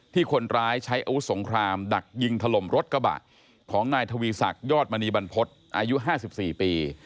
คนร้ายใช้อาวุธสงครามดักยิงถล่มรถกระบะของนายทวีศักดิ์ยอดมณีบรรพฤษอายุ๕๔ปี